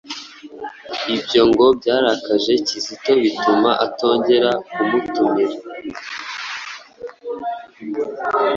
Ibyo ngo byarakaje Kizito bituma atongera kumutumira.